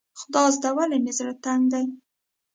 خدازده ولې مې زړه تنګ دی.